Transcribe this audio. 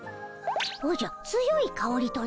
おじゃ強いかおりとな。